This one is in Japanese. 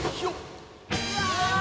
うわ！